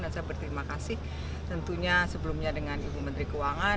dan saya berterima kasih tentunya sebelumnya dengan ibu menteri keuangan